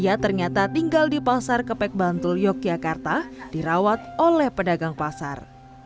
ia ternyata tinggal di pasar kepek bantul yogyakarta dirawat oleh pedagang pasar